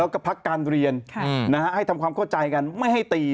การเรียนนะฮะให้ทำความเข้าใจกันไม่ให้ตี